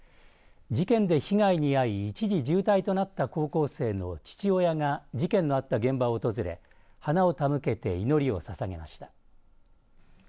事件で被害に遭い一時、重体となった高校生の父親が事件のあった現場を訪れ花を手向けて祈りをささげました。